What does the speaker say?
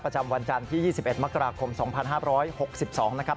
ประจำวันจันทร์ที่๒๑มกราคมสองพันห้าบร้อยหกสิบสองนะครับ